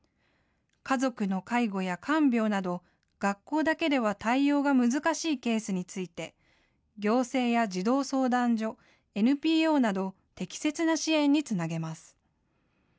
家族の介護や看病など学校だけでは対応が難しいケースについて行政や児童相談所、ＮＰＯなど適切な支援につなげます。